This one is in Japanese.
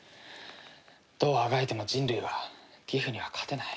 どうあがいても人類はギフには勝てない。